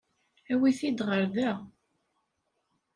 Awi-t-id ɣer da.